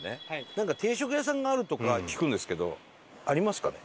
なんか定食屋さんがあるとか聞くんですけどありますかね？